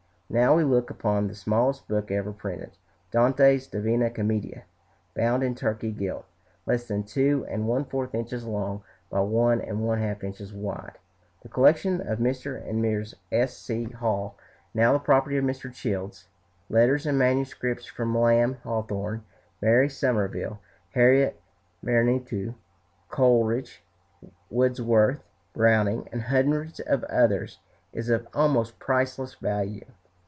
Now we look upon the smallest book ever printed, Dante's "Divina Commedia," bound in Turkey gilt, less than two and one fourth inches long by one and one half inches wide. The collection of Mr. and Mrs. S. C. Hall, now the property of Mr. Childs, letters and manuscripts from Lamb, Hawthorne, Mary Somerville, Harriet Martineau, Coleridge, Wordsworth, Browning, and hundreds of others, is of almost priceless value.